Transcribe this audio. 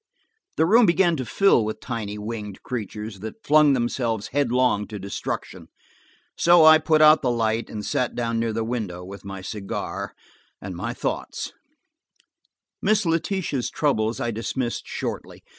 The room began to fill with tiny winged creatures that flung themselves headlong to destruction, so I put out the light and sat down near the window, with my cigar and my thoughts. Miss Letitia's troubles I dismissed shortly.